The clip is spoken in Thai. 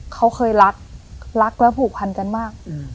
เขาเคยรักรักและผูกพันกันมาก